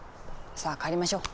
さあ帰りましょう。